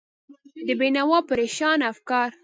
د بېنوا پرېشانه افکار